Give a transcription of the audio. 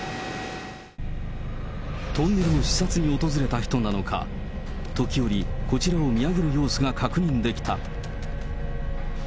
トンネルの視察に訪れた人なのか、時折、こちらを見上げる様子が確認できた。